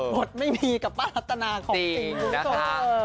กฎไม่มีกับป้ารัตนาของจริงนะคะ